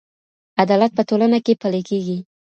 عدالت په ټولنه کې پلې کیږي.